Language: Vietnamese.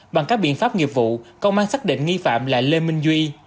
bằng các biện pháp nghiệp vụ công an xác định nghi phạm là lê minh duy